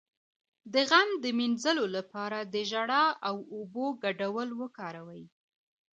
د غم د مینځلو لپاره د ژړا او اوبو ګډول وکاروئ